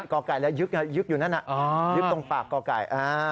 ก่อก่ายแล้วยึกอยู่นั่นน่ะยึกตรงปากก่อก่าย